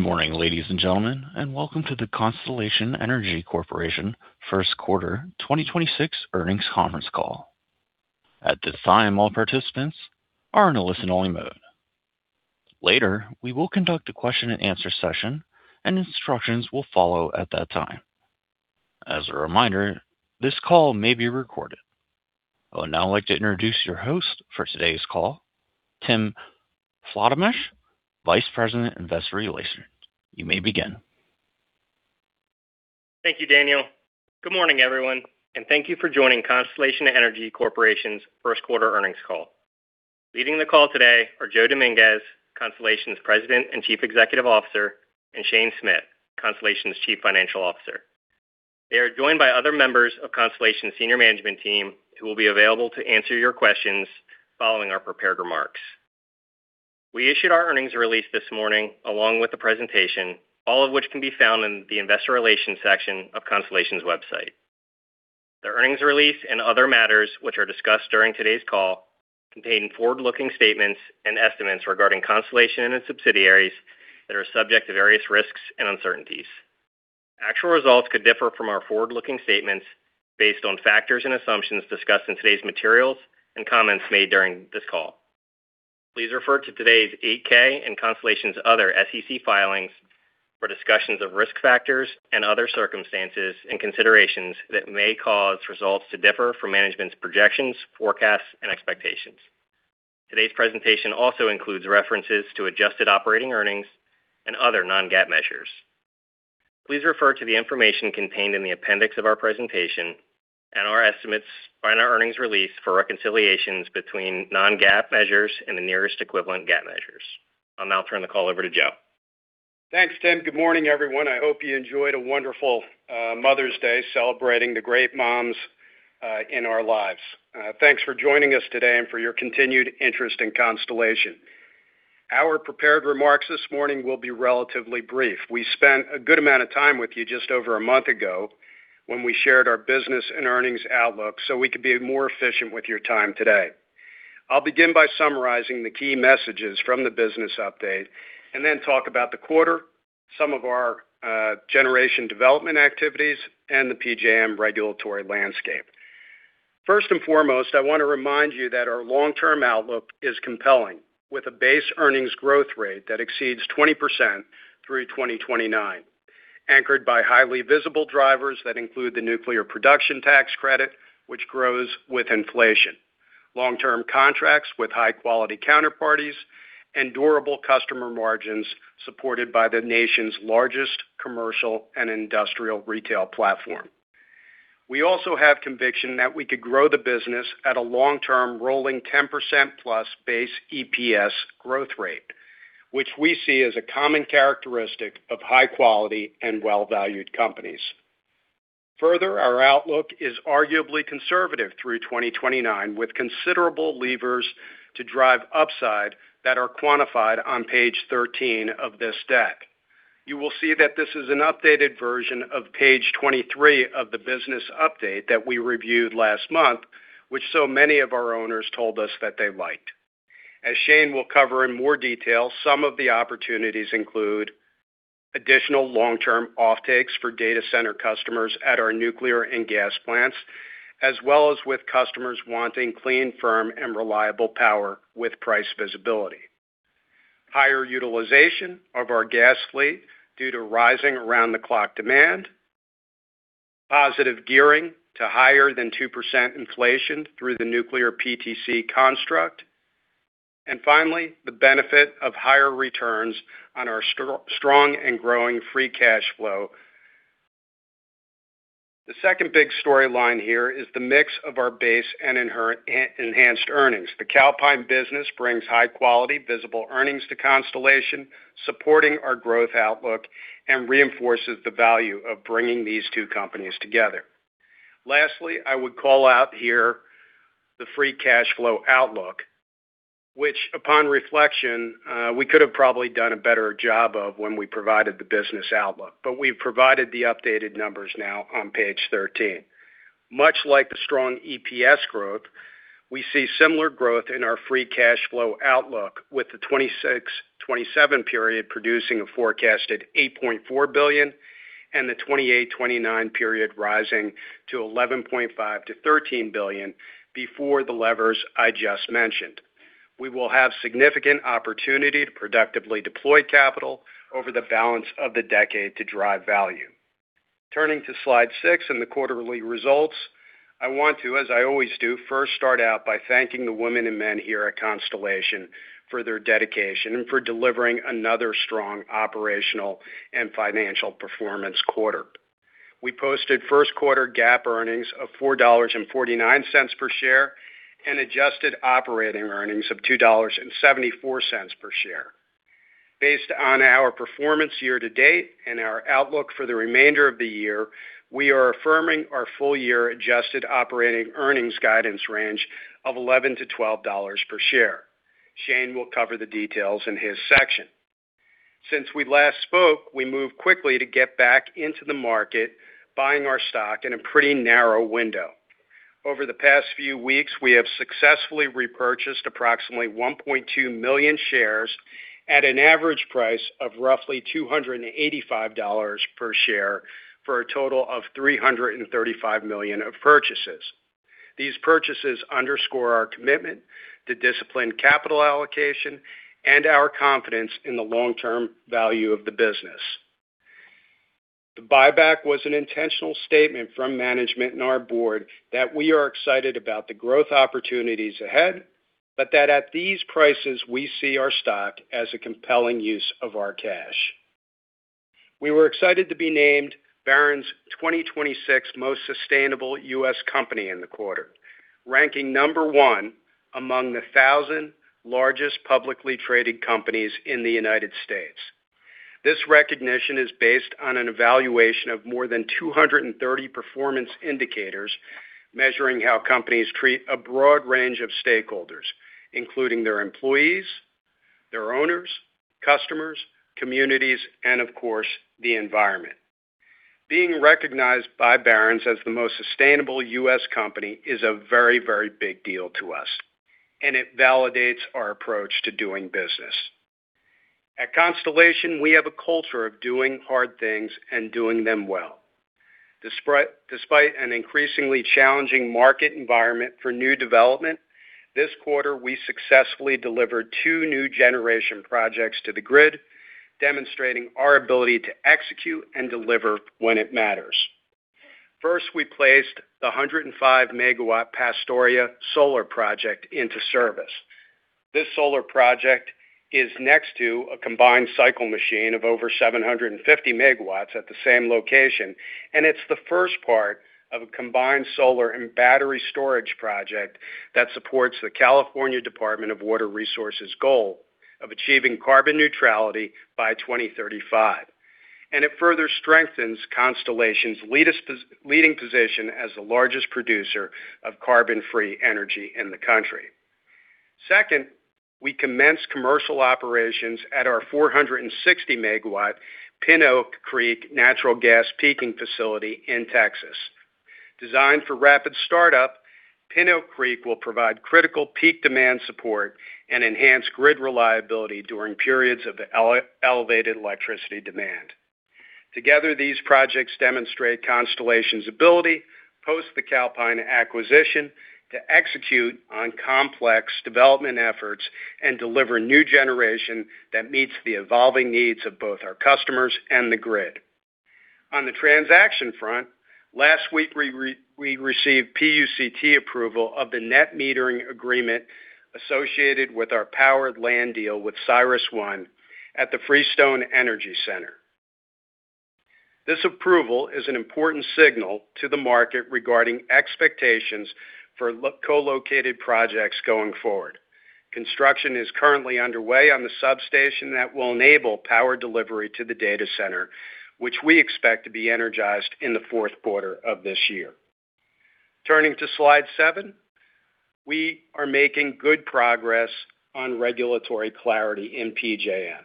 Good morning, ladies and gentlemen, welcome to the Constellation Energy Corporation first quarter 2026 earnings conference call. At this time, all participants are in a listen-only mode. Later, we will conduct a question and answer session, and instructions will follow at that time. As a reminder, this call may be recorded. I would now like to introduce your host for today's call, Tim Flottemesch, Vice President, Investor Relations. You may begin. Thank you, Daniel. Good morning, everyone, and thank you for joining Constellation Energy Corporation's first quarter earnings call. Leading the call today are Joseph Dominguez, Constellation's President and Chief Executive Officer, and Shane Smith, Constellation's Chief Financial Officer. They are joined by other members of Constellation senior management team, who will be available to answer your questions following our prepared remarks. We issued our earnings release this morning, along with the presentation, all of which can be found in the investor relations section of Constellation's website. The earnings release and other matters which are discussed during today's call contain forward-looking statements and estimates regarding Constellation and its subsidiaries that are subject to various risks and uncertainties. Actual results could differ from our forward-looking statements based on factors and assumptions discussed in today's materials and comments made during this call. Please refer to today's 8-K and Constellation's other SEC filings for discussions of risk factors and other circumstances and considerations that may cause results to differ from management's projections, forecasts, and expectations. Today's presentation also includes references to adjusted operating earnings and other non-GAAP measures. Please refer to the information contained in the appendix of our presentation and our estimates by our earnings release for reconciliations between non-GAAP measures and the nearest equivalent GAAP measures. I'll now turn the call over to Joe. Thanks, Tim. Good morning, everyone. I hope you enjoyed a wonderful Mother's Day celebrating the great moms in our lives. Thanks for joining us today and for your continued interest in Constellation. Our prepared remarks this morning will be relatively brief. We spent a good amount of time with you just over a month ago when we shared our business and earnings outlook, so we could be more efficient with your time today. I'll begin by summarizing the key messages from the business update and then talk about the quarter, some of our generation development activities and the PJM regulatory landscape. First and foremost, I want to remind you that our long-term outlook is compelling, with a base earnings growth rate that exceeds 20% through 2029, anchored by highly visible drivers that include the nuclear production tax credit, which grows with inflation, long-term contracts with high-quality counterparties and durable customer margins supported by the nation's largest commercial and industrial retail platform. We also have conviction that we could grow the business at a long-term rolling 10%+ base EPS growth rate, which we see as a common characteristic of high quality and well-valued companies. Further, our outlook is arguably conservative through 2029, with considerable levers to drive upside that are quantified on page 13 of this deck. You will see that this is an updated version of page 23 of the business update that we reviewed last month, which so many of our owners told us that they liked. As Shane will cover in more detail, some of the opportunities include additional long-term offtakes for data center customers at our nuclear and gas plants, as well as with customers wanting clean, firm and reliable power with price visibility. Higher utilization of our gas fleet due to rising around-the-clock demand. Positive gearing to higher than 2% inflation through the nuclear PTC construct. Finally, the benefit of higher returns on our strong and growing free cash flow. The second big storyline here is the mix of our base and enhanced earnings. The Calpine business brings high quality visible earnings to Constellation, supporting our growth outlook and reinforces the value of bringing these two companies together. Lastly, I would call out here the free cash flow outlook, which upon reflection, we could have probably done a better job of when we provided the business outlook, but we've provided the updated numbers now on page 13. Much like the strong EPS growth, we see similar growth in our free cash flow outlook with the 2026, 2027 period producing a forecasted $8.4 billion and the 2028, 2029 period rising to $11.5 billion-$13 billion before the levers I just mentioned. We will have significant opportunity to productively deploy capital over the balance of the decade to drive value. Turning to slide six and the quarterly results, I want to, as I always do, first start out by thanking the women and men here at Constellation for their dedication and for delivering another strong operational and financial performance quarter. We posted first quarter GAAP earnings of $4.49 per share and adjusted operating earnings of $2.74 per share. Based on our performance year-to-date and our outlook for the remainder of the year, we are affirming our full-year adjusted operating earnings guidance range of $11-$12 per share. Shane will cover the details in his section. Since we last spoke, we moved quickly to get back into the market, buying our stock in a pretty narrow window. Over the past few weeks, we have successfully repurchased approximately 1.2 million shares at an average price of roughly $285 per share for a total of $335 million of purchases. These purchases underscore our commitment to disciplined capital allocation and our confidence in the long-term value of the business. The buyback was an intentional statement from management and our board that we are excited about the growth opportunities ahead, but that at these prices, we see our stock as a compelling use of our cash. We were excited to be named Barron's 2026 Most Sustainable U.S. Company in the quarter, ranking number one among the 1,000 largest publicly traded companies in the U.S. This recognition is based on an evaluation of more than 230 performance indicators measuring how companies treat a broad range of stakeholders, including their employees, their owners, customers, communities, and of course, the environment. Being recognized by Barron's as the most sustainable U.S. company is a very, very big deal to us. It validates our approach to doing business. At Constellation, we have a culture of doing hard things and doing them well. Despite an increasingly challenging market environment for new development, this quarter, we successfully delivered two new generation projects to the grid, demonstrating our ability to execute and deliver when it matters. First, we placed the 105 megawatt Pastoria Solar Project into service. This solar project is next to a combined cycle machine of over 750 megawatts at the same location, and it's the first part of a combined solar and battery storage project that supports the California Department of Water Resources goal of achieving carbon neutrality by 2035. It further strengthens Constellation's leading position as the largest producer of carbon-free energy in the country. Second, we commenced commercial operations at our 460 MW Pin Oak Creek Natural Gas Peaking Facility in Texas. Designed for rapid startup, Pin Oak Creek will provide critical peak demand support and enhance grid reliability during periods of elevated electricity demand. Together, these projects demonstrate Constellation's ability, post the Calpine acquisition, to execute on complex development efforts and deliver new generation that meets the evolving needs of both our customers and the grid. On the transaction front, last week, we received PUCT approval of the net metering agreement associated with our powered land deal with CyrusOne at the Freestone Energy Center. This approval is an important signal to the market regarding expectations for co-located projects going forward. Construction is currently underway on the substation that will enable power delivery to the data center, which we expect to be energized in the fourth quarter of this year. Turning to slide seven, we are making good progress on regulatory clarity in PJM.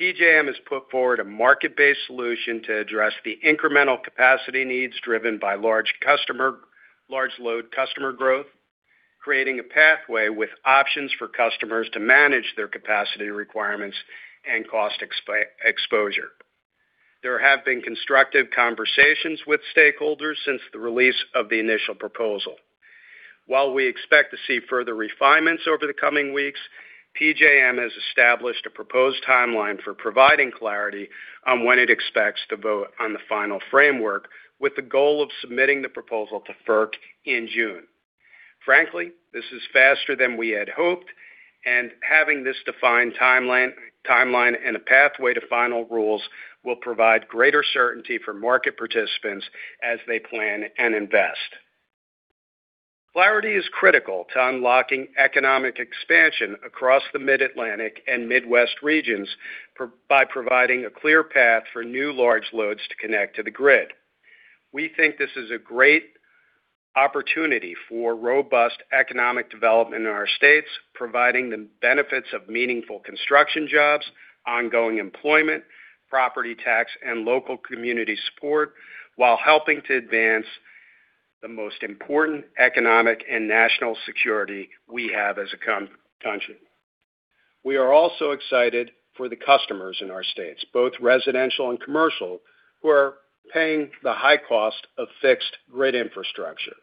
PJM has put forward a market-based solution to address the incremental capacity needs driven by large load customer growth, creating a pathway with options for customers to manage their capacity requirements and cost exposure. There have been constructive conversations with stakeholders since the release of the initial proposal. While we expect to see further refinements over the coming weeks, PJM has established a proposed timeline for providing clarity on when it expects to vote on the final framework, with the goal of submitting the proposal to FERC in June. Frankly, this is faster than we had hoped, and having this defined timeline and a pathway to final rules will provide greater certainty for market participants as they plan and invest. Clarity is critical to unlocking economic expansion across the Mid-Atlantic and Midwest regions by providing a clear path for new large loads to connect to the grid. We think this is a great opportunity for robust economic development in our states, providing the benefits of meaningful construction jobs, ongoing employment, property tax, and local community support, while helping to advance the most important economic and national security we have as a country. We are also excited for the customers in our states, both residential and commercial, who are paying the high cost of fixed grid infrastructure.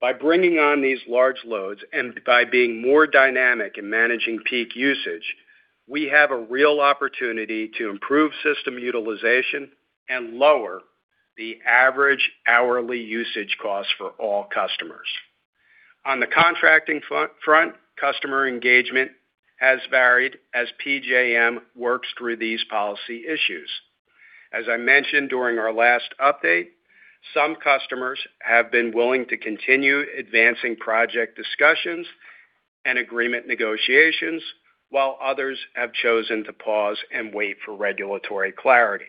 By bringing on these large loads and by being more dynamic in managing peak usage, we have a real opportunity to improve system utilization and lower the average hourly usage costs for all customers. On the contracting front, customer engagement has varied as PJM works through these policy issues. As I mentioned during our last update, some customers have been willing to continue advancing project discussions and agreement negotiations, while others have chosen to pause and wait for regulatory clarity.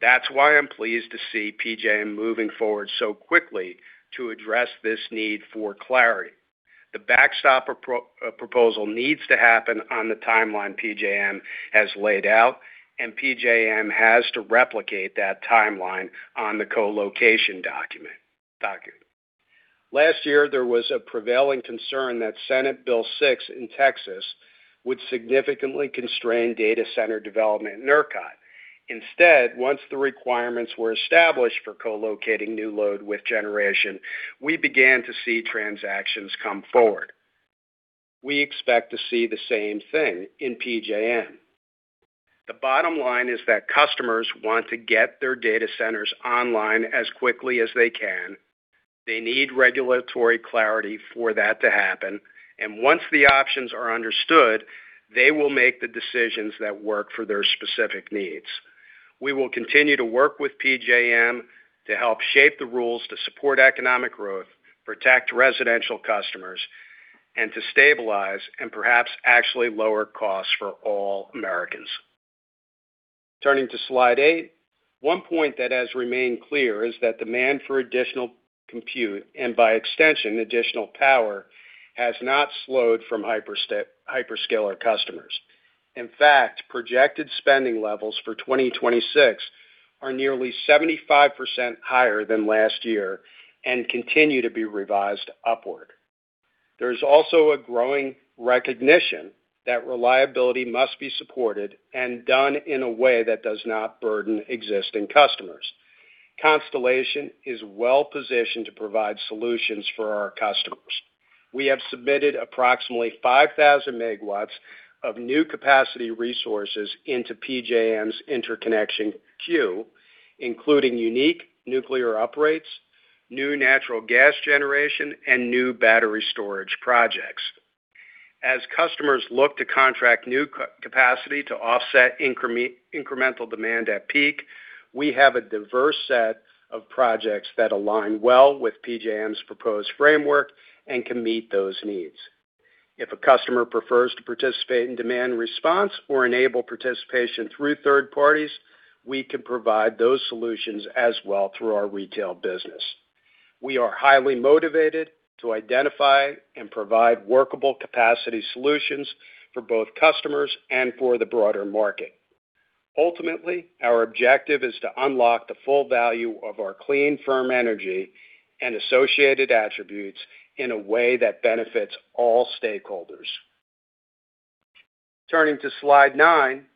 That's why I'm pleased to see PJM moving forward so quickly to address this need for clarity. The backstop pro-proposal needs to happen on the timeline PJM has laid out, and PJM has to replicate that timeline on the co-location document. Last year, there was a prevailing concern that Senate Bill 6 in Texas would significantly constrain data center development in ERCOT. Instead, once the requirements were established for co-locating new load with generation, we began to see transactions come forward. We expect to see the same thing in PJM. The bottom line is that customers want to get their data centers online as quickly as they can. They need regulatory clarity for that to happen, and once the options are understood, they will make the decisions that work for their specific needs. We will continue to work with PJM to help shape the rules to support economic growth, protect residential customers, and to stabilize and perhaps actually lower costs for all Americans. Turning to slide eight. One point that has remained clear is that demand for additional compute, and by extension, additional power, has not slowed from hyperscaler customers. In fact, projected spending levels for 2026 are nearly 75% higher than last year and continue to be revised upward. There's also a growing recognition that reliability must be supported and done in a way that does not burden existing customers. Constellation is well-positioned to provide solutions for our customers. We have submitted approximately 5,000 MW of new capacity resources into PJM's interconnection queue, including unique nuclear uprates, new natural gas generation, and new battery storage projects. As customers look to contract new capacity to offset incremental demand at peak, we have a diverse set of projects that align well with PJM's proposed framework and can meet those needs. If a customer prefers to participate in demand response or enable participation through third parties, we can provide those solutions as well through our retail business. We are highly motivated to identify and provide workable capacity solutions for both customers and for the broader market. Ultimately, our objective is to unlock the full value of our clean, firm energy and associated attributes in a way that benefits all stakeholders. Turning to slide nine.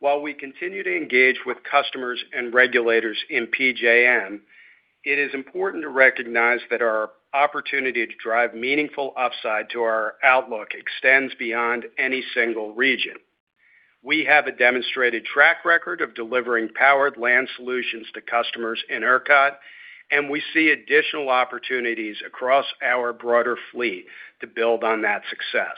While we continue to engage with customers and regulators in PJM, it is important to recognize that our opportunity to drive meaningful upside to our outlook extends beyond any single region. We have a demonstrated track record of delivering powered land solutions to customers in ERCOT, and we see additional opportunities across our broader fleet to build on that success.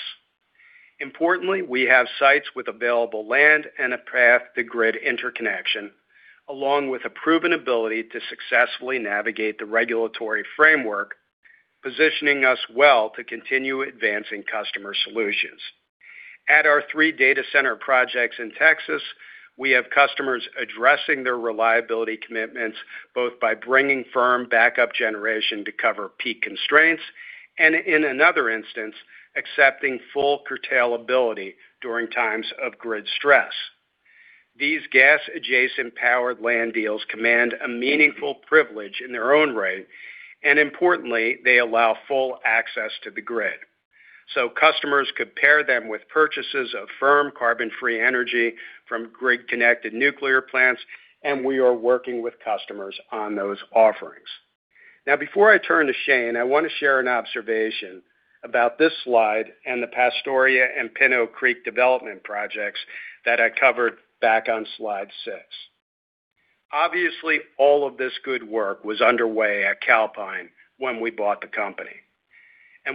Importantly, we have sites with available land and a path to grid interconnection, along with a proven ability to successfully navigate the regulatory framework, positioning us well to continue advancing customer solutions. At our three data center projects in Texas, we have customers addressing their reliability commitments, both by bringing firm backup generation to cover peak constraints and in another instance, accepting full curtailability during times of grid stress. These gas-adjacent powered land deals command a meaningful privilege in their own right, importantly, they allow full access to the grid. Customers could pair them with purchases of firm carbon-free energy from grid-connected nuclear plants, we are working with customers on those offerings. Before I turn to Shane, I want to share an observation about this slide and the Pastoria and Pin Oak Creek development projects that I covered back on slide 6. All of this good work was underway at Calpine when we bought the company.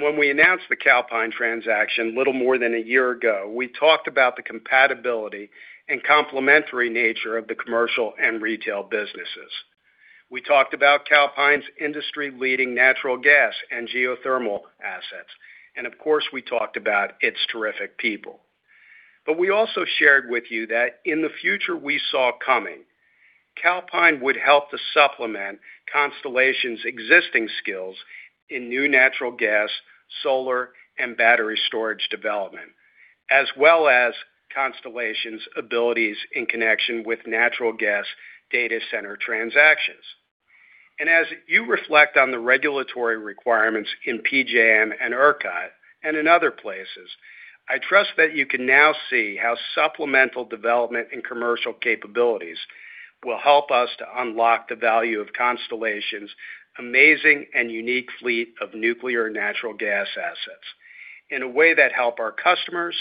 When we announced the Calpine transaction a little more than a year ago, we talked about the compatibility and complementary nature of the commercial and retail businesses. We talked about Calpine's industry-leading natural gas and geothermal assets, of course, we talked about its terrific people. We also shared with you that in the future we saw coming, Calpine would help to supplement Constellation's existing skills in new natural gas, solar, and battery storage development, as well as Constellation's abilities in connection with natural gas data center transactions. As you reflect on the regulatory requirements in PJM and ERCOT and in other places, I trust that you can now see how supplemental development and commercial capabilities will help us to unlock the value of Constellation's amazing and unique fleet of nuclear natural gas assets in a way that help our customers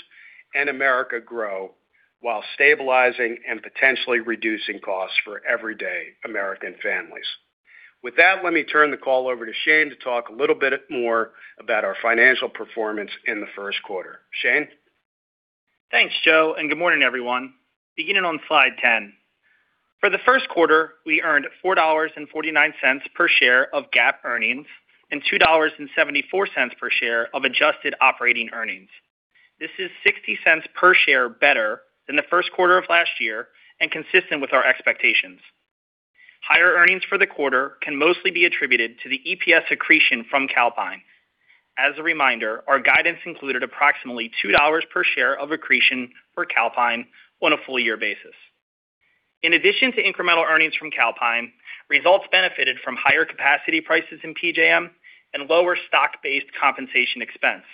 and America grow while stabilizing and potentially reducing costs for everyday American families. With that, let me turn the call over to Shane to talk a little bit more about our financial performance in the first quarter. Shane? Thanks, Joe. Good morning, everyone. Beginning on slide 10. For the first quarter, we earned $4.49 per share of GAAP earnings and $2.74 per share of adjusted operating earnings. This is $0.60 per share better than the first quarter of last year and consistent with our expectations. Higher earnings for the quarter can mostly be attributed to the EPS accretion from Calpine. As a reminder, our guidance included approximately $2 per share of accretion for Calpine on a full year basis. In addition to incremental earnings from Calpine, results benefited from higher capacity prices in PJM and lower stock-based compensation expense.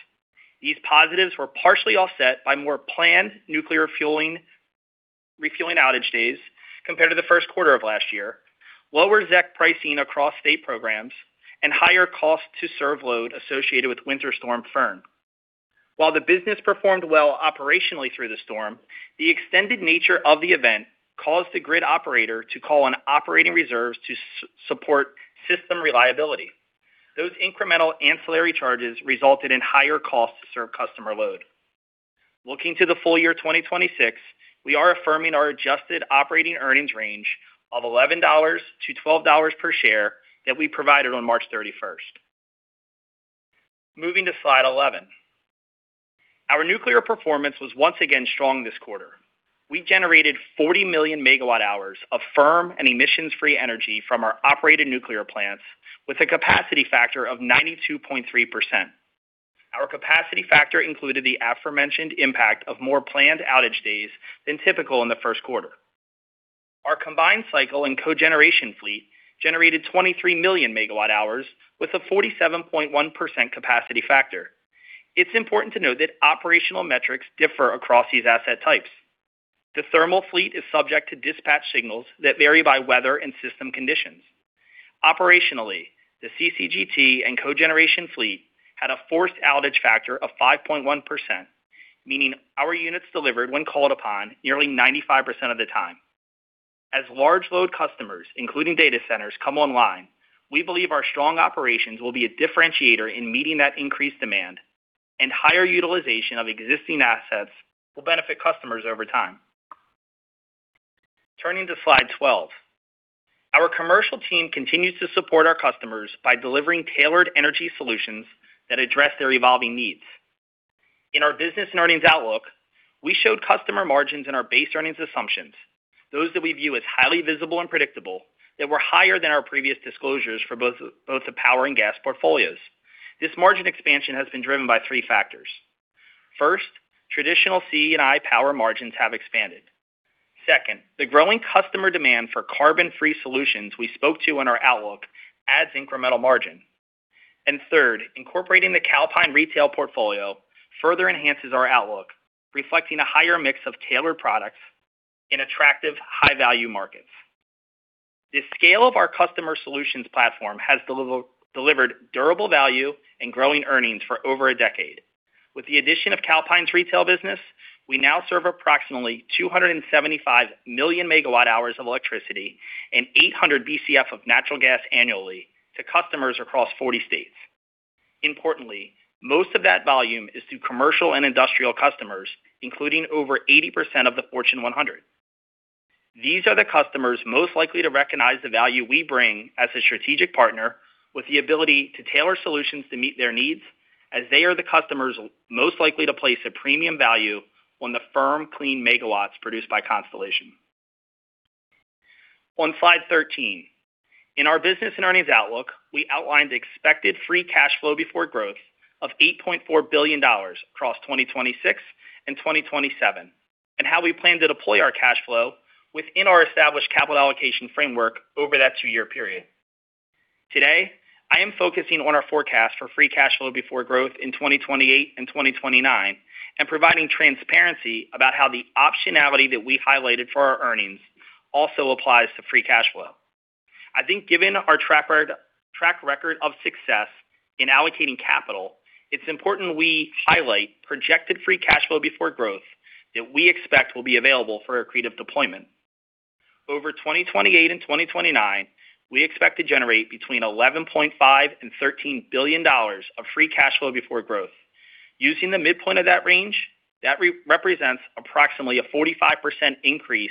These positives were partially offset by more planned nuclear refueling outage days compared to the first quarter of last year, lower ZEC pricing across state programs, and higher cost to serve load associated with Winter Storm Fern. While the business performed well operationally through the storm, the extended nature of the event caused the grid operator to call on operating reserves to support system reliability. Those incremental ancillary charges resulted in higher costs to serve customer load. Looking to the full year 2026, we are affirming our adjusted operating earnings range of $11-$12 per share that we provided on March 31st. Moving to slide 11. Our nuclear performance was once again strong this quarter. We generated 40 million MWh of firm and emissions-free energy from our operated nuclear plants with a capacity factor of 92.3%. Our capacity factor included the aforementioned impact of more planned outage days than typical in the first quarter. Our combined cycle and cogeneration fleet generated 23 million MWh with a 47.1% capacity factor. It's important to note that operational metrics differ across these asset types. The thermal fleet is subject to dispatch signals that vary by weather and system conditions. Operationally, the CCGT and cogeneration fleet had a forced outage factor of 5.1%, meaning our units delivered when called upon nearly 95% of the time. As large load customers, including data centers, come online, we believe our strong operations will be a differentiator in meeting that increased demand, higher utilization of existing assets will benefit customers over time. Turning to slide 12. Our commercial team continues to support our customers by delivering tailored energy solutions that address their evolving needs. In our business and earnings outlook, we showed customer margins in our base earnings assumptions, those that we view as highly visible and predictable, that were higher than our previous disclosures for both the power and gas portfolios. This margin expansion has been driven by three factors. First, traditional C&I power margins have expanded. Second, the growing customer demand for carbon-free solutions we spoke to in our outlook adds incremental margin. Third, incorporating the Calpine retail portfolio further enhances our outlook, reflecting a higher mix of tailored products in attractive high-value markets. The scale of our customer solutions platform has delivered durable value and growing earnings for over a decade. With the addition of Calpine's retail business, we now serve approximately 275 million MWh of electricity and 800 BCF of natural gas annually to customers across 40 states. Importantly, most of that volume is to commercial and industrial customers, including over 80% of the Fortune 100. These are the customers most likely to recognize the value we bring as a strategic partner with the ability to tailor solutions to meet their needs, as they are the customers most likely to place a premium value on the firm clean megawatts produced by Constellation. On slide 13. In our business and earnings outlook, we outlined the expected free cash flow before growth of $8.4 billion across 2026 and 2027, and how we plan to deploy our cash flow within our established capital allocation framework over that two-year period. Today, I am focusing on our forecast for free cash flow before growth in 2028 and 2029 and providing transparency about how the optionality that we highlighted for our earnings also applies to free cash flow. I think given our track record of success in allocating capital, it's important we highlight projected free cash flow before growth that we expect will be available for accretive deployment. Over 2028 and 2029, we expect to generate between $11.5 billion and $13 billion of free cash flow before growth. Using the midpoint of that range, that re-represents approximately a 45% increase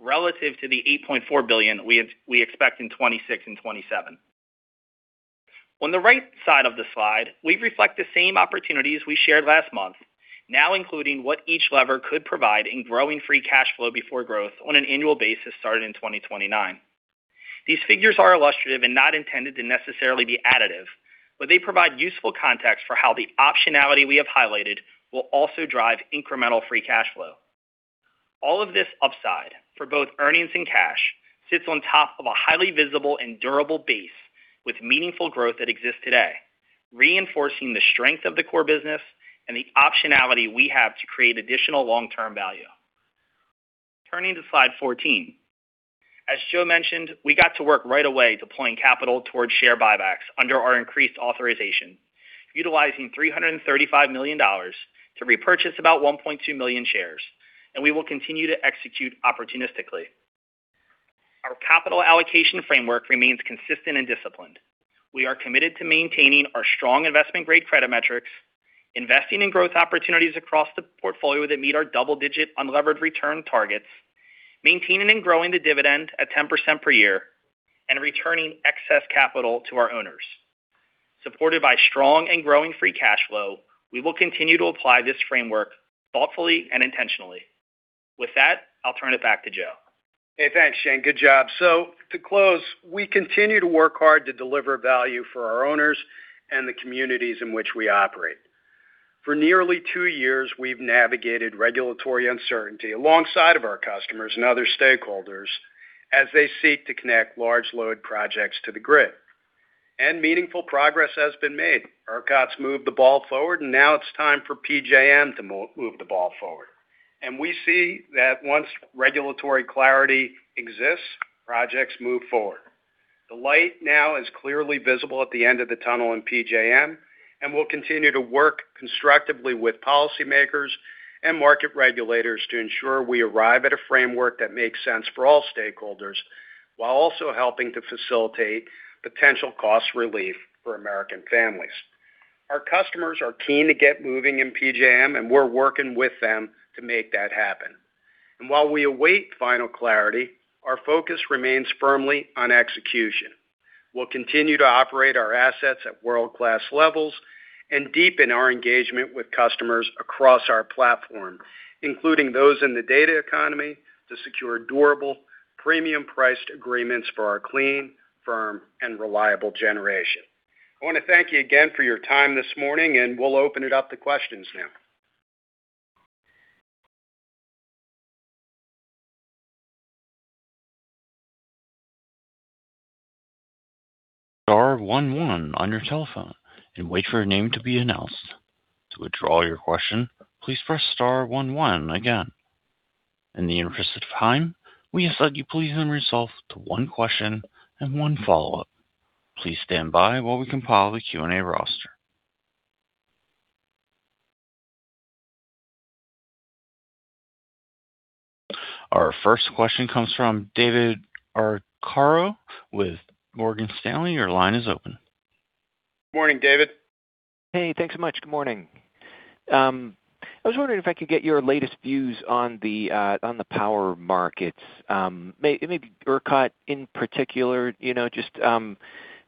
relative to the $8.4 billion we expect in 2026 and 2027. On the right side of the slide, we reflect the same opportunities we shared last month, now including what each lever could provide in growing free cash flow before growth on an annual basis starting in 2029. These figures are illustrative and not intended to necessarily be additive, but they provide useful context for how the optionality we have highlighted will also drive incremental free cash flow. All of this upside for both earnings and cash sits on top of a highly visible and durable base with meaningful growth that exists today, reinforcing the strength of the core business and the optionality we have to create additional long-term value. Turning to slide 14. As Joe mentioned, we got to work right away deploying capital towards share buybacks under our increased authorization, utilizing $335 million to repurchase about 1.2 million shares. We will continue to execute opportunistically. Our capital allocation framework remains consistent and disciplined. We are committed to maintaining our strong investment-grade credit metrics, investing in growth opportunities across the portfolio that meet our double-digit unlevered return targets, maintaining and growing the dividend at 10% per year, and returning excess capital to our owners. Supported by strong and growing free cash flow, we will continue to apply this framework thoughtfully and intentionally. With that, I'll turn it back to Joe. Hey, thanks, Shane. Good job. To close, we continue to work hard to deliver value for our owners and the communities in which we operate. For nearly two years, we've navigated regulatory uncertainty alongside of our customers and other stakeholders as they seek to connect large load projects to the grid. Meaningful progress has been made. ERCOT's moved the ball forward, now it's time for PJM to move the ball forward. We see that once regulatory clarity exists, projects move forward. The light now is clearly visible at the end of the tunnel in PJM, we'll continue to work constructively with policymakers and market regulators to ensure we arrive at a framework that makes sense for all stakeholders, while also helping to facilitate potential cost relief for American families. Our customers are keen to get moving in PJM, and we're working with them to make that happen. While we await final clarity, our focus remains firmly on execution. We'll continue to operate our assets at world-class levels and deepen our engagement with customers across our platform, including those in the data economy, to secure durable, premium-priced agreements for our clean, firm, and reliable generation. I want to thank you again for your time this morning, and we'll open it up to questions now. Star one one on your telephone and wait for your name to be announced. To withdraw your question, please press star one one again. In the interest of time, we ask that you please limit yourself to one question and one follow-up. Please stand by while we compile the Q&A roster. Our first question comes from David Arcaro with Morgan Stanley. Your line is open. Morning, David. Hey, thanks so much. Good morning. I was wondering if I could get your latest views on the power markets. Maybe ERCOT in particular. You know, just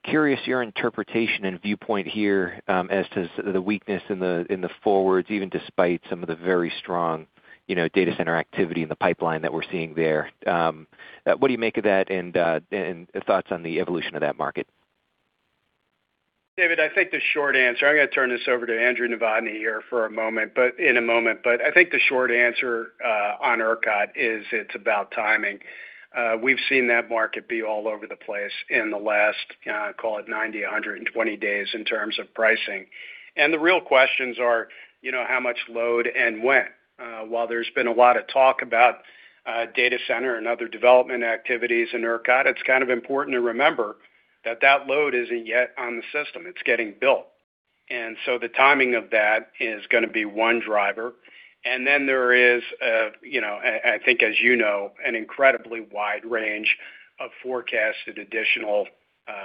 curious your interpretation and viewpoint here, as to the weakness in the forwards, even despite some of the very strong, you know, data center activity in the pipeline that we're seeing there. What do you make of that and thoughts on the evolution of that market? David, I'm gonna turn this over to Andrew Novotny here for a moment. I think the short answer on ERCOT is it's about timing. We've seen that market be all over the place in the last, call it 90, 120 days in terms of pricing. The real questions are, you know, how much load and when. While there's been a lot of talk about data center and other development activities in ERCOT, it's kind of important to remember that that load isn't yet on the system. It's getting built. The timing of that is gonna be one driver. There is, you know, I think as you know, an incredibly wide range of forecasted additional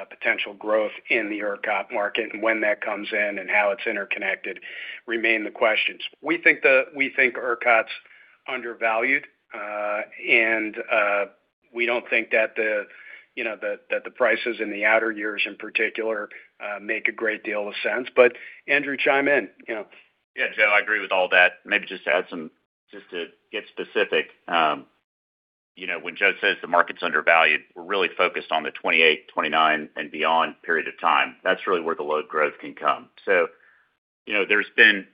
potential growth in the ERCOT market, and when that comes in and how it's interconnected remain the questions. We think ERCOT's undervalued, and we don't think that the, you know, the, that the prices in the outer years in particular make a great deal of sense. Andrew, chime in, you know. Yeah, Joe, I agree with all that. Maybe just to get specific, you know, when Joe says the market's undervalued, we're really focused on the 2028, 2029 and beyond period of time. That's really where the load growth can come. You know, there's been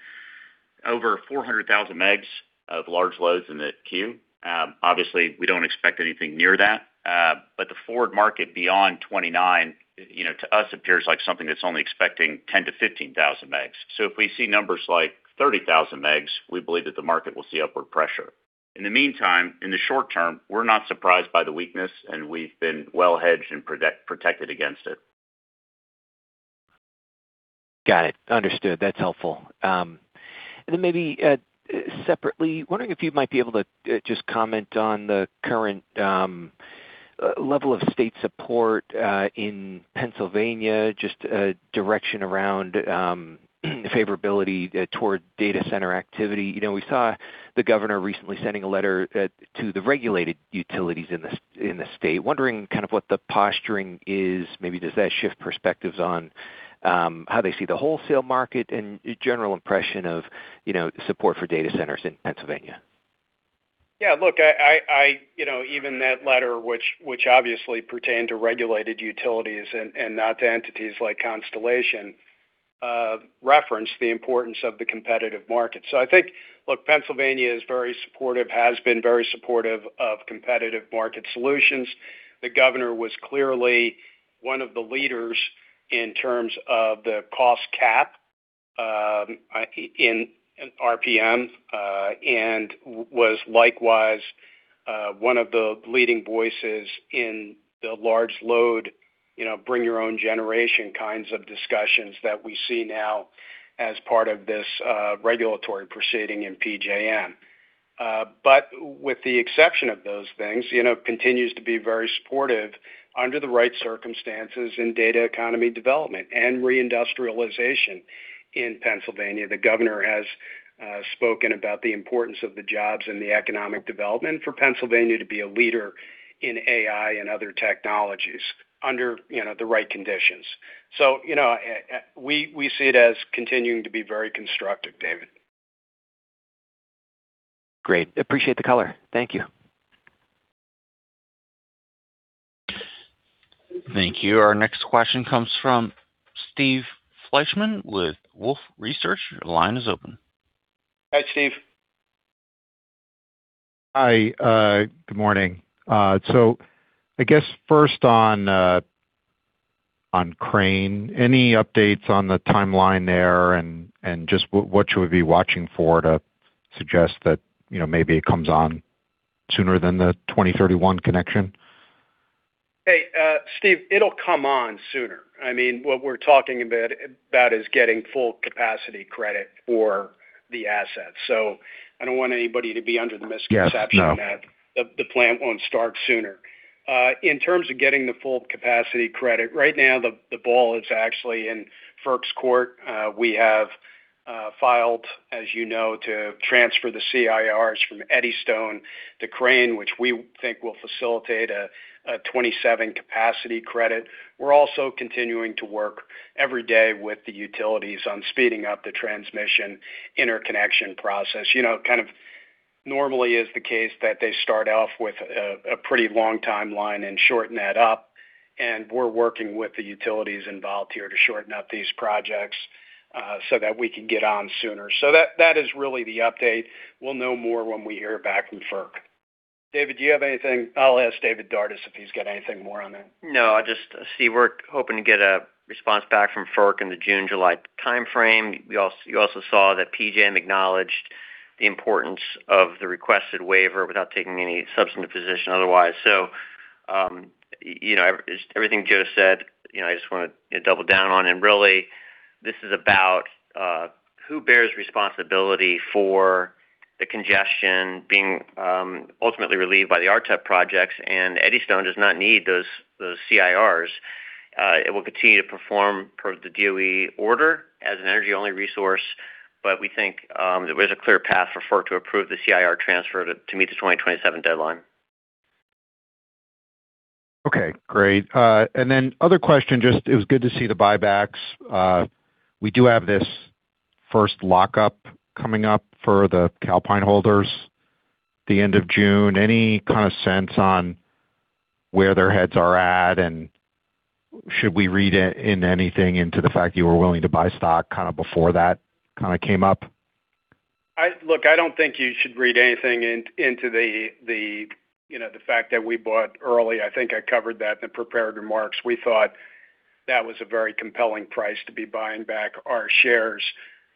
over 400,000 megs of large loads in the queue. Obviously we don't expect anything near that. The forward market beyond 2029, you know, to us appears like something that's only expecting 10,000-15,000 megs. If we see numbers like 30,000 megs, we believe that the market will see upward pressure. In the meantime, in the short term, we're not surprised by the weakness, and we've been well hedged and protected against it. Got it. Understood. That's helpful. Then maybe, separately, wondering if you might be able to just comment on the current level of state support in Pennsylvania, just direction around favorability toward data center activity. You know, we saw the governor recently sending a letter to the regulated utilities in the state. Wondering kind of what the posturing is? Maybe does that shift perspectives on how they see the wholesale market and general impression of, you know, support for data centers in Pennsylvania? Look, I, I, you know, even that letter which obviously pertained to regulated utilities and not to entities like Constellation, referenced the importance of the competitive market. I think, look, Pennsylvania is very supportive, has been very supportive of competitive market solutions. The governor was clearly one of the leaders in terms of the cost cap in RPM, and was likewise one of the leading voices in the large load, you know, bring your own generation kinds of discussions that we see now as part of this regulatory proceeding in PJM. With the exception of those things, you know, continues to be very supportive under the right circumstances in data economy development and reindustrialization in Pennsylvania. The governor has spoken about the importance of the jobs and the economic development for Pennsylvania to be a leader in AI and other technologies under, you know, the right conditions. You know, we see it as continuing to be very constructive, David. Great. Appreciate the color. Thank you. Thank you. Our next question comes from Steve Fleishman with Wolfe Research. Your line is open. Hi, Steve. Hi. Good morning. I guess first on Crane. Any updates on the timeline there and just what should we be watching for to suggest that, you know, maybe it comes on sooner than the 2031 connection? Hey, Steve, it'll come on sooner. I mean, what we're talking about is getting full capacity credit for the assets. I don't want anybody to be under the misconception. Yeah, no. That the plant won't start sooner. In terms of getting the full capacity credit, right now the ball is actually in FERC's court. We have filed, as you know, to transfer the CIRs from Eddystone to Crane, which we think will facilitate a 27 capacity credit. We're also continuing to work every day with the utilities on speeding up the transmission interconnection process. You know, kind of normally is the case that they start off with a pretty long timeline and shorten that up, and we're working with the utilities involved here to shorten up these projects so that we can get on sooner. That is really the update. We'll know more when we hear back from FERC. David, do you have anything? I'll ask David Dardis if he's got anything more on that. No, I just Steve, we're hoping to get a response back from FERC in the June-July timeframe. You also saw that PJM acknowledged the importance of the requested waiver without taking any substantive position otherwise. You know, everything Joe said, you know, I just wanna, you know, double down on. Really this is about who bears responsibility for the congestion being ultimately relieved by the RTEP projects. Eddystone does not need those CIRs. It will continue to perform per the DOE order as an energy-only resource, but we think there is a clear path for FERC to approve the CIR transfer to meet the 2027 deadline. Okay. Great. Other question, just it was good to see the buybacks. We do have this first lockup coming up for the Calpine holders the end of June. Any kind of sense on where their heads are at, and should we read in anything into the fact you were willing to buy stock kind of before that kind of came up? Look, I don't think you should read anything into the, you know, the fact that we bought early. I think I covered that in prepared remarks. We thought that was a very compelling price to be buying back our shares.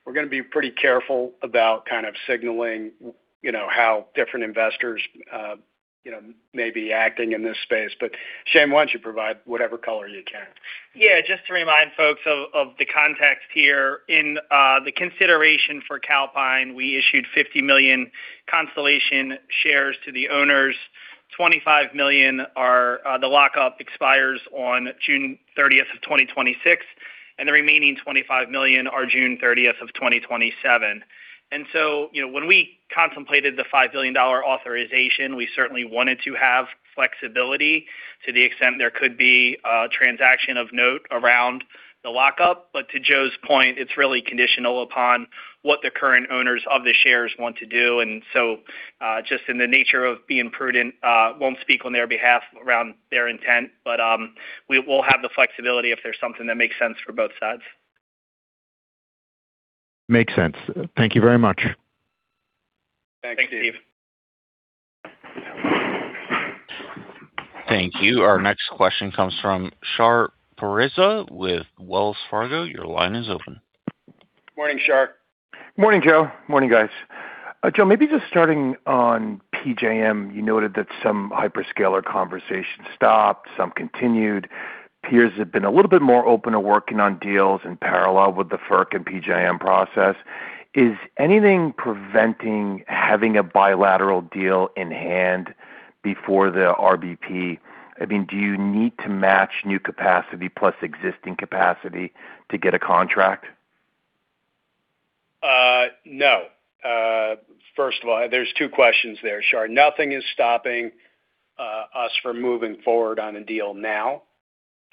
We're gonna be pretty careful about kind of signaling, you know, how different investors, you know, may be acting in this space. Shane, why don't you provide whatever color you can? Yeah. Just to remind folks of the context here. In the consideration for Calpine, we issued 50 million Constellation shares to the owners. 25 million are the lockup expires on June 30, 2026, and the remaining 25 million are June 30, 2027. You know, when we contemplated the $5 billion authorization, we certainly wanted to have flexibility to the extent there could be a transaction of note around the lockup. To Joe's point, it's really conditional upon what the current owners of the shares want to do. Just in the nature of being prudent, won't speak on their behalf around their intent. We will have the flexibility if there's something that makes sense for both sides. Makes sense. Thank you very much. Thanks, Steve. Thanks, Steve. Thank you. Our next question comes from Shar Pourreza with Wells Fargo. Your line is open. Morning, Shar. Morning, Joe. Morning, guys. Joe, maybe just starting on PJM. You noted that some hyperscaler conversations stopped, some continued. Peers have been a little bit more open to working on deals in parallel with the FERC and PJM process. Is anything preventing having a bilateral deal in hand before the RBP? I mean, do you need to match new capacity plus existing capacity to get a contract? No. First of all, there's two questions there, Shar. Nothing is stopping us from moving forward on a deal now.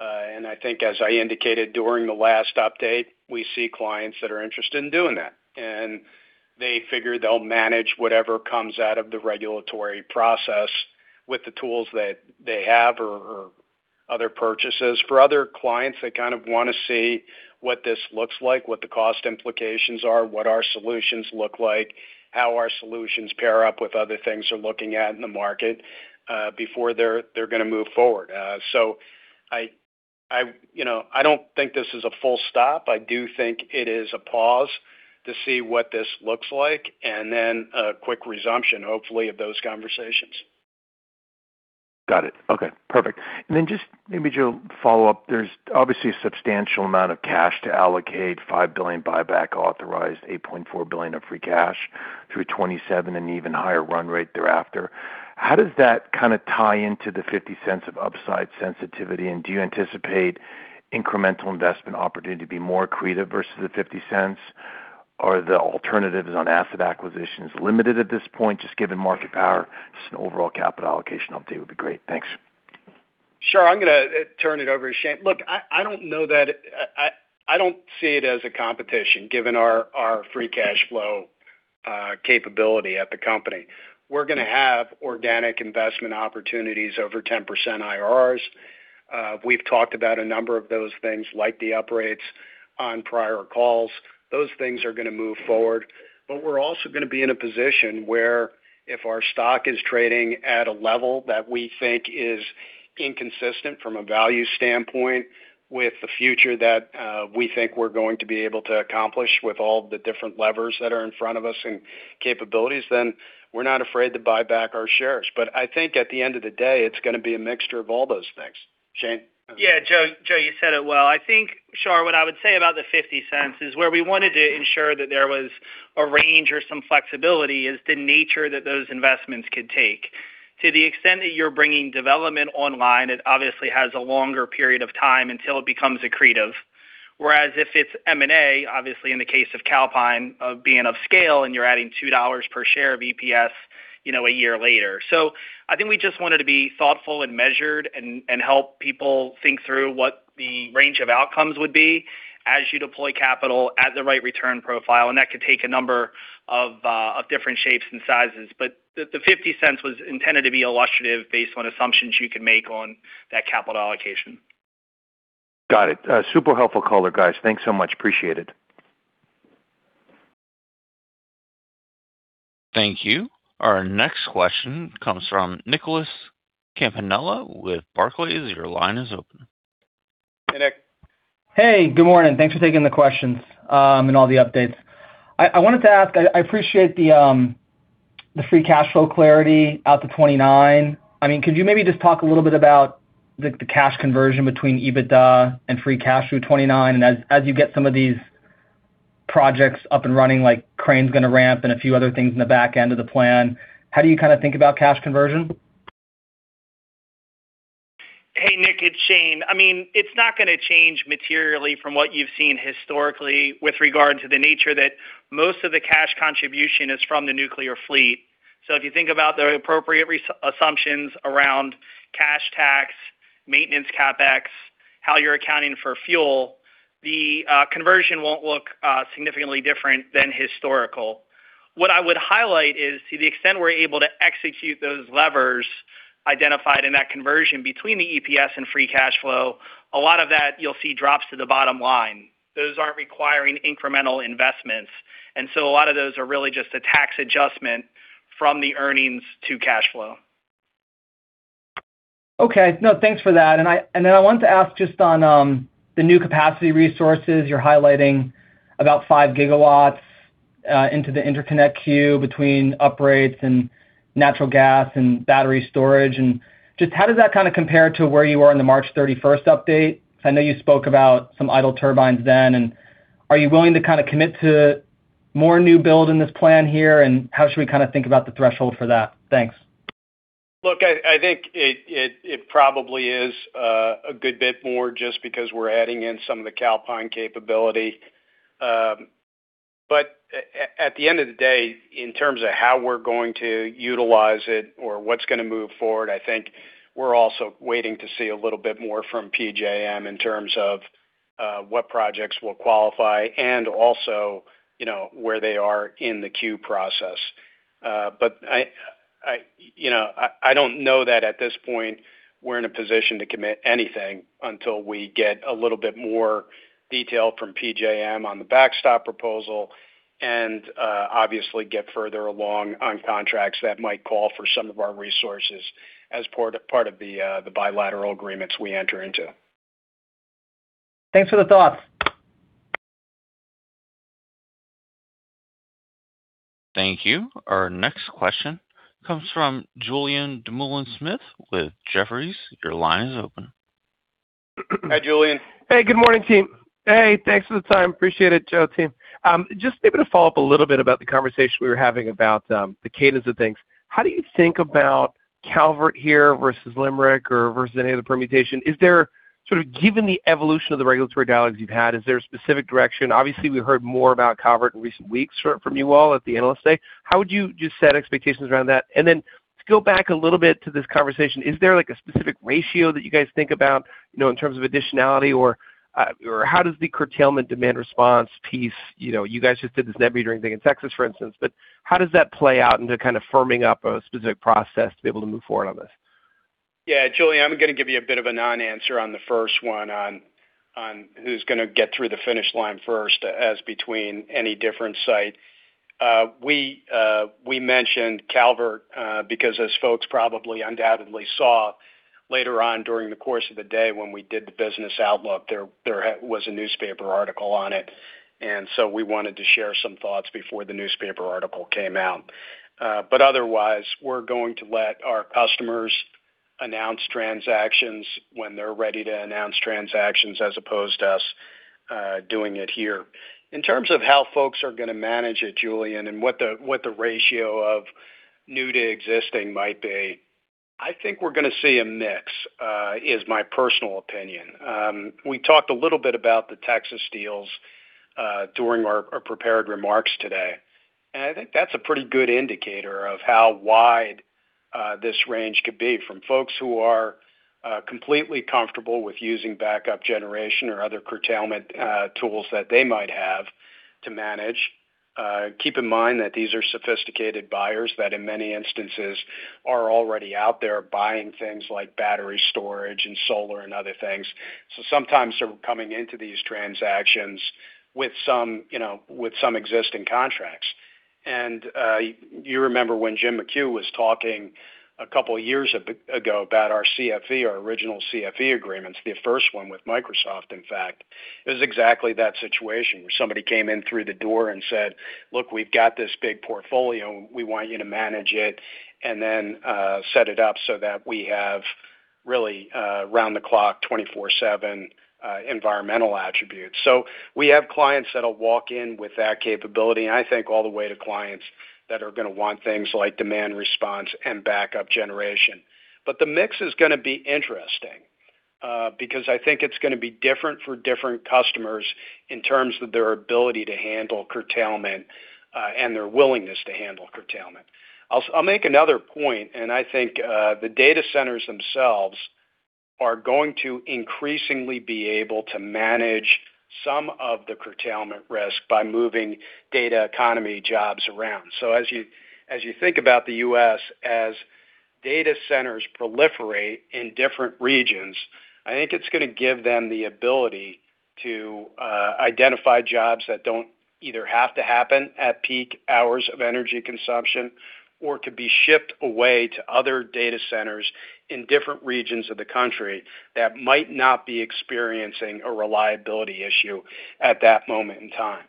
I think as I indicated during the last update, we see clients that are interested in doing that, and they figure they'll manage whatever comes out of the regulatory process with the tools that they have or other purchases. For other clients, they kind of wanna see what this looks like, what the cost implications are, what our solutions look like, how our solutions pair up with other things they're looking at in the market before they're gonna move forward. I, you know, I don't think this is a full stop. I do think it is a pause to see what this looks like and then a quick resumption, hopefully, of those conversations. Got it. Okay. Perfect. Then just maybe, Joe, follow up. There's obviously a substantial amount of cash to allocate, $5 billion buyback authorized, $8.4 billion of free cash through 2027 and even higher run rate thereafter. How does that kind of tie into the $0.50 of upside sensitivity? Do you anticipate incremental investment opportunity to be more accretive versus the $0.50? Are the alternatives on asset acquisitions limited at this point, just given market power? Just an overall capital allocation update would be great. Thanks. Sure. I'm going to turn it over to Shane. Look, I don't know that, I don't see it as a competition given our free cash flow capability at the company. We're going to have organic investment opportunities over 10% IRRs. We've talked about a number of those things like the upgrades on prior calls. Those things are going to move forward. We're also going to be in a position where if our stock is trading at a level that we think is inconsistent from a value standpoint with the future that we think we're going to be able to accomplish with all the different levers that are in front of us and capabilities, then we're not afraid to buy back our shares. I think at the end of the day, it's going to be a mixture of all those things. Shane? Yeah. Joe, you said it well. I think, Shar, what I would say about the $0.50 is where we wanted to ensure that there was a range or some flexibility is the nature that those investments could take. To the extent that you're bringing development online, it obviously has a longer period of time until it becomes accretive. Whereas if it's M&A, obviously in the case of Calpine, being of scale and you're adding $2 per share of EPS, you know, a year later. I think we just wanted to be thoughtful and measured and help people think through what the range of outcomes would be as you deploy capital at the right return profile, and that could take a number of different shapes and sizes. The $0.50 was intended to be illustrative based on assumptions you can make on that capital allocation. Got it. super helpful caller, guys. Thanks so much. Appreciate it. Thank you. Our next question comes from Nicholas Campanella with Barclays. Your line is open. Hey, Nick. Hey, good morning. Thanks for taking the questions, and all the updates. I wanted to ask, I appreciate the free cash flow clarity out to 2029. I mean, could you maybe just talk a little bit about the cash conversion between EBITDA and free cash through 2029? As you get some of these projects up and running, like Crane's gonna ramp and a few other things in the back end of the plan, how do you kinda think about cash conversion? Hey, Nick, it's Shane. I mean, it's not gonna change materially from what you've seen historically with regard to the nature that most of the cash contribution is from the nuclear fleet. If you think about the appropriate assumptions around cash tax, maintenance CapEx, how you're accounting for fuel, the conversion won't look significantly different than historical. What I would highlight is to the extent we're able to execute those levers identified in that conversion between the EPS and free cash flow, a lot of that you'll see drops to the bottom line. Those aren't requiring incremental investments, and so a lot of those are really just a tax adjustment from the earnings to cash flow. Okay. No, thanks for that. I wanted to ask just on the new capacity resources, you're highlighting about 5 GW into the interconnect queue between upgrades and natural gas and battery storage. How does that kinda compare to where you were in the March 31st update? I know you spoke about some idle turbines then. Are you willing to kinda commit to more new build in this plan here? How should we kinda think about the threshold for that? Thanks. Look, I think it probably is a good bit more just because we're adding in some of the Calpine capability. At the end of the day, in terms of how we're going to utilize it or what's gonna move forward, I think we're also waiting to see a little bit more from PJM in terms of what projects will qualify and also, you know, where they are in the queue process. I, you know, I don't know that at this point we're in a position to commit anything until we get a little bit more detail from PJM on the backstop proposal and obviously get further along on contracts that might call for some of our resources as part of the bilateral agreements we enter into. Thanks for the thoughts. Thank you. Our next question comes from Julien Dumoulin-Smith with Jefferies. Your line is open. Hi, Julien. Hey, good morning, team. Hey, thanks for the time. Appreciate it, Joe, team. just maybe to follow up a little bit about the conversation we were having about, the cadence of things. How do you think about Calvert here versus Limerick or versus any other permutation? Is there sort of given the evolution of the regulatory dialogues you've had, is there a specific direction? Obviously, we heard more about Calvert in recent weeks from you all at the Analyst Day. How would you set expectations around that? And then to go back a little bit to this conversation, is there like a specific ratio that you guys think about, you know, in terms of additionality? Or, or how does the curtailment demand response piece, you know, you guys just did this net metering thing in Texas, for instance. How does that play out into kind of firming up a specific process to be able to move forward on this? Julien, I'm going to give you a bit of a non-answer on the first one on who's going to get through the finish line first as between any different site. We mentioned Calvert because as folks probably undoubtedly saw later on during the course of the day when we did the business outlook, there was a newspaper article on it, and so we wanted to share some thoughts before the newspaper article came out. Otherwise, we're going to let our customers announce transactions when they're ready to announce transactions, as opposed to us doing it here. In terms of how folks are going to manage it, Julien, and what the ratio of new to existing might be, I think we're going to see a mix is my personal opinion. We talked a little bit about the Texas deals during our prepared remarks today. I think that's a pretty good indicator of how wide this range could be, from folks who are completely comfortable with using backup generation or other curtailment tools that they might have to manage. Keep in mind that these are sophisticated buyers that, in many instances, are already out there buying things like battery storage and solar and other things. Sometimes they're coming into these transactions with some, you know, with some existing contracts. You remember when James McHugh was talking a couple of years ago about our CFE, our original CFE agreements, the first one with Microsoft, in fact. It was exactly that situation, where somebody came in through the door and said, "Look, we've got this big portfolio." We want you to manage it, set it up so that we have really, round-the-clock, 24/7 environmental attributes. We have clients that'll walk in with that capability, and I think all the way to clients that are gonna want things like demand response and backup generation. The mix is gonna be interesting, because I think it's gonna be different for different customers in terms of their ability to handle curtailment, and their willingness to handle curtailment. I'll make another point, the data centers themselves are going to increasingly be able to manage some of the curtailment risk by moving data economy jobs around. As you, as you think about the U.S., as data centers proliferate in different regions, I think it's gonna give them the ability to identify jobs that don't either have to happen at peak hours of energy consumption or could be shipped away to other data centers in different regions of the country that might not be experiencing a reliability issue at that moment in time.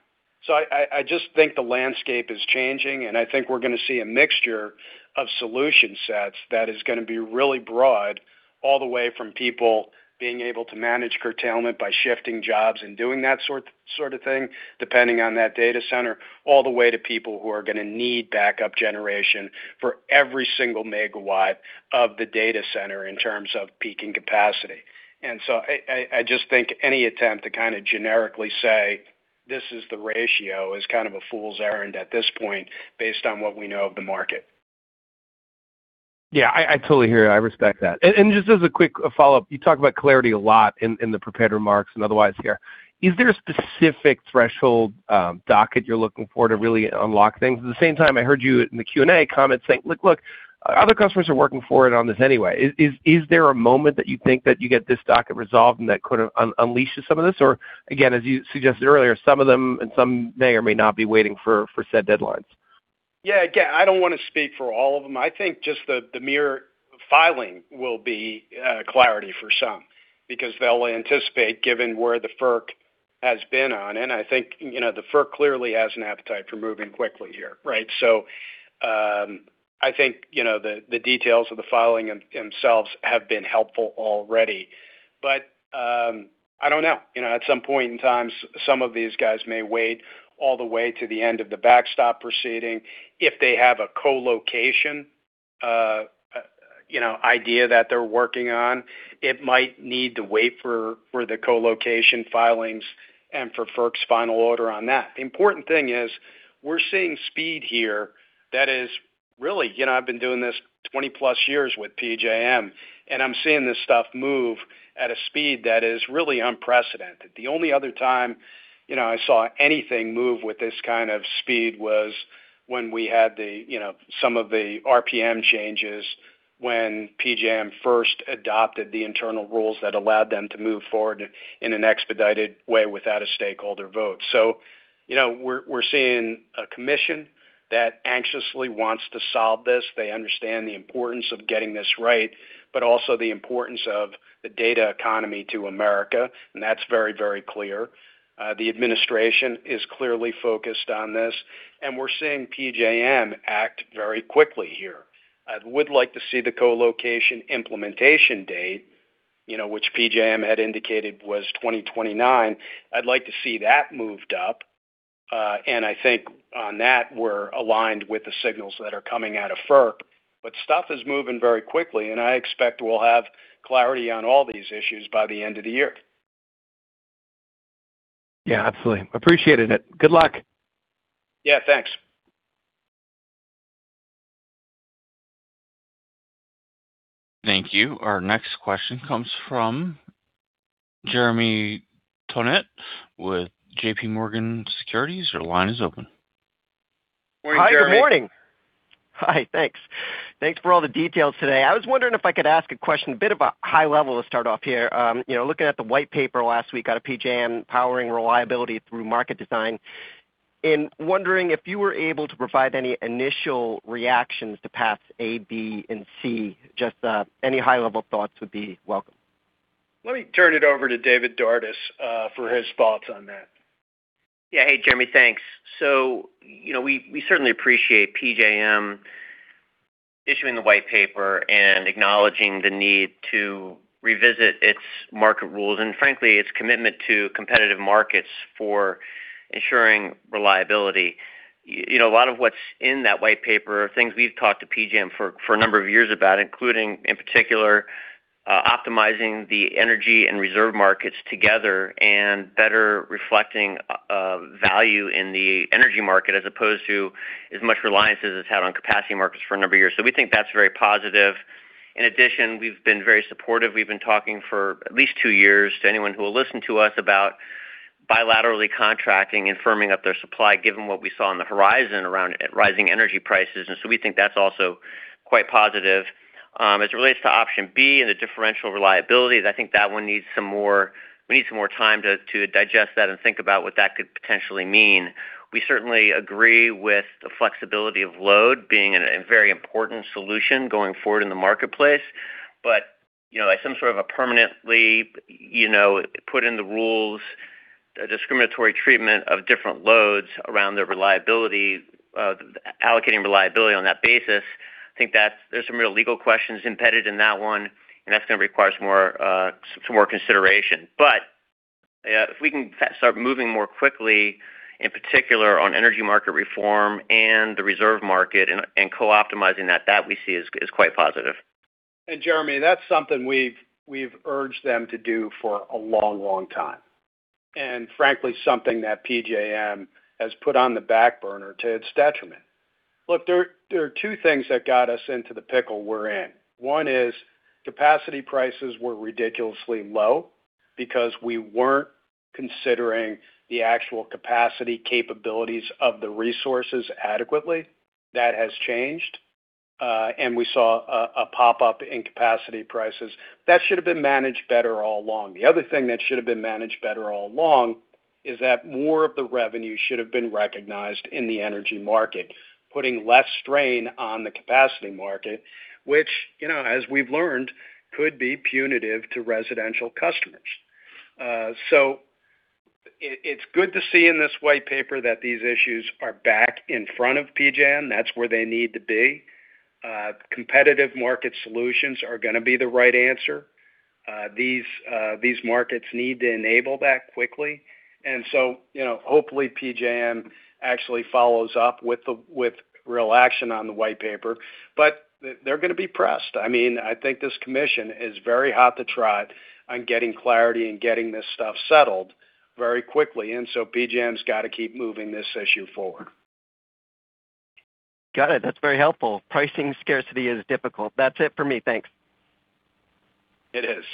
I, I just think the landscape is changing, and I think we're gonna see a mixture of solution sets that is gonna be really broad, all the way from people being able to manage curtailment by shifting jobs and doing that sort of thing, depending on that data center, all the way to people who are gonna need backup generation for every single megawatt of the data center in terms of peaking capacity. I just think any attempt to kind of generically say, "This is the ratio," is kind of a fool's errand at this point based on what we know of the market. I totally hear you. I respect that. Just as a quick follow-up, you talk about clarity a lot in the prepared remarks and otherwise here. Is there a specific threshold, docket you're looking for to really unlock things? At the same time, I heard you in the Q&A comment saying, "Look, other customers are working for it on this anyway." Is there a moment that you think that you get this docket resolved and that could unleash some of this? Again, as you suggested earlier, some of them and some may or may not be waiting for said deadlines. Again, I don't wanna speak for all of them. I think just the mere filing will be clarity for some because they'll anticipate given where the FERC has been on. I think, you know, the FERC clearly has an appetite for moving quickly here, right? I think, you know, the details of the filing themselves have been helpful already. I don't know. You know, at some point in time, some of these guys may wait all the way to the end of the Backstop proceeding. If they have a co-location, you know, idea that they're working on, it might need to wait for the co-location filings and for FERC's final order on that. The important thing is we're seeing speed here that is really, you know, I've been doing this 20-plus years with PJM, and I'm seeing this stuff move at a speed that is really unprecedented. The only other time, you know, I saw anything move with this kind of speed was when we had the, you know, some of the RPM changes when PJM first adopted the internal rules that allowed them to move forward in an expedited way without a stakeholder vote. You know, we're seeing a commission that anxiously wants to solve this. They understand the importance of getting this right, but also the importance of the data economy to America, and that's very, very clear. The administration is clearly focused on this, and we're seeing PJM act very quickly here. I would like to see the co-location implementation date, you know, which PJM had indicated was 2029. I'd like to see that moved up. I think on that, we're aligned with the signals that are coming out of FERC. Stuff is moving very quickly, and I expect we'll have clarity on all these issues by the end of the year. Yeah, absolutely. Appreciated it. Good luck. Yeah, thanks. Thank you. Our next question comes from Jeremy Tonet with JPMorgan Securities. Your line is open. Morning, Jeremy. Hi, good morning. Hi, thanks. Thanks for all the details today. I was wondering if I could ask a question, a bit about high level to start off here. You know, looking at the white paper last week out of PJM, Powering Reliability through Market Design, and wondering if you were able to provide any initial reactions to paths A, B, and C. Just, any high-level thoughts would be welcome. Let me turn it over to David Dardis for his thoughts on that. Yeah. Hey Jeremy, thanks. You know, we certainly appreciate PJM issuing the white paper and acknowledging the need to revisit its market rules, and frankly, its commitment to competitive markets for ensuring reliability. You know, a lot of what's in that white paper are things we've talked to PJM for a number of years about, including, in particular, optimizing the energy and reserve markets together and better reflecting value in the energy market as opposed to as much reliance as it's had on capacity markets for a number of years. We think that's very positive. In addition, we've been very supportive. We've been talking for at least two years to anyone who will listen to us about bilaterally contracting and firming up their supply given what we saw on the horizon around rising energy prices. We think that's also quite positive. As it relates to option B and the differential reliability, I think that one needs some more time to digest that and think about what that could potentially mean. We certainly agree with the flexibility of load being a very important solution going forward in the marketplace. You know, like some sort of a permanently, you know, put in the rules, discriminatory treatment of different loads around the reliability, allocating reliability on that basis, I think there's some real legal questions embedded in that one, and that's gonna require some more consideration. If we can start moving more quickly, in particular on energy market reform and the reserve market and co-optimizing that we see is quite positive. Jeremy, that's something we've urged them to do for a long, long time, and frankly, something that PJM has put on the back burner to its detriment. Look, there are two things that got us into the pickle we're in. One is capacity prices were ridiculously low because we weren't considering the actual capacity capabilities of the resources adequately. That has changed. We saw a pop up in capacity prices. That should have been managed better all along. The other thing that should have been managed better all along is that more of the revenue should have been recognized in the energy market, putting less strain on the capacity market, which, you know, as we've learned, could be punitive to residential customers. It's good to see in this white paper that these issues are back in front of PJM. That's where they need to be. Competitive market solutions are gonna be the right answer. These markets need to enable that quickly. You know, hopefully PJM actually follows up with real action on the white paper. They're gonna be pressed. I mean, I think this commission is very hot to trot on getting clarity and getting this stuff settled very quickly. PJM's gotta keep moving this issue forward. Got it. That's very helpful. Pricing scarcity is difficult. That's it for me. Thanks. It is.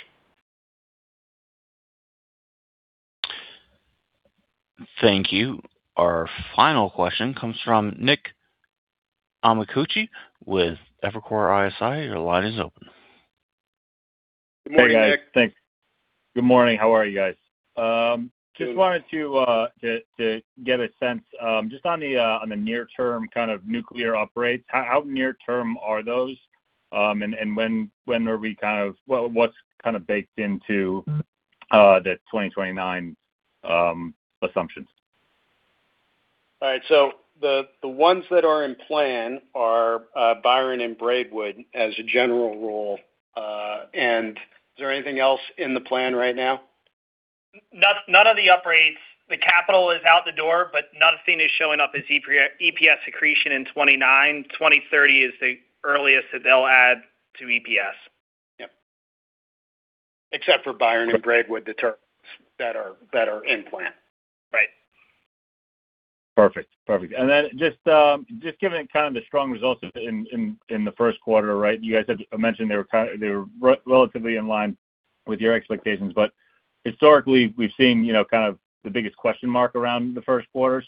Thank you. Our final question comes from Nicholas Amicucci with Evercore ISI. Your line is open. Good morning, Nick. Hey, guys. Thanks. Good morning. How are you guys? Just wanted to get a sense just on the near term kind of nuclear upgrades. How near term are those, and what's kind of baked into the 2029 assumptions? All right. The ones that are in plan are, Byron and Braidwood as a general rule. Is there anything else in the plan right now? None, none of the upgrades. The capital is out the door, but nothing is showing up as EPS accretion in 2029. 2030 is the earliest that they'll add to EPS. Yep. Except for Byron and Braidwood, that are in plan. Right. Perfect. Perfect. Just given kind of the strong results in the first quarter, right? You guys had mentioned they were relatively in line with your expectations. Historically, we've seen, you know, kind of the biggest question mark around the first quarter.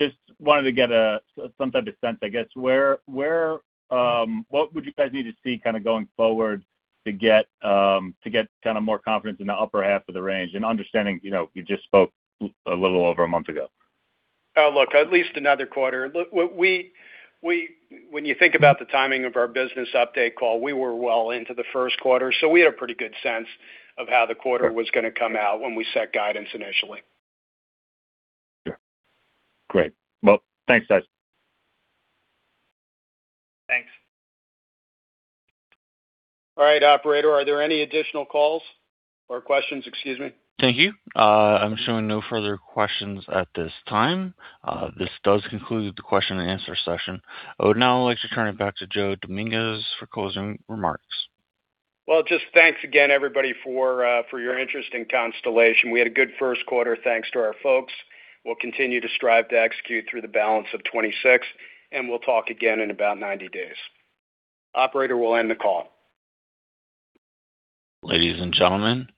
Just wanted to get some type of sense, I guess, where what would you guys need to see kinda going forward to get kinda more confidence in the upper half of the range? Understanding, you know, you just spoke a little over a month ago. Oh, look, at least another quarter. Look, when you think about the timing of our business update call, we were well into the first quarter. We had a pretty good sense of how the quarter was going to come out when we set guidance initially. Sure. Great. Well, thanks, guys. Thanks. All right, operator, are there any additional calls or questions? Excuse me. Thank you. I'm showing no further questions at this time. This does conclude the question and answer session. I would now like to turn it back to Joseph Dominguez for closing remarks. Well, just thanks again, everybody, for your interest in Constellation. We had a good first quarter thanks to our folks. We'll continue to strive to execute through the balance of 2026, and we'll talk again in about 90 days. Operator, we'll end the call. Ladies and gentlemen,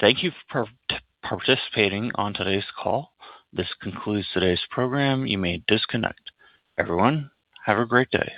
thank you for participating on today's call. This concludes today's program. You may disconnect. Everyone, have a great day.